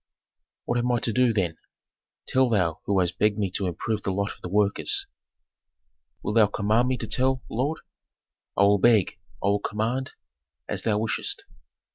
"What am I to do, then, tell thou who hast begged me to improve the lot of the workers?" "Wilt thou command me to tell, lord?" "I will beg, I will command, as thou wishest.